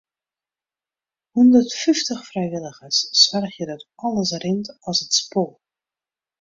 Hûndertfyftich frijwilligers soargje dat alles rint as it spoar.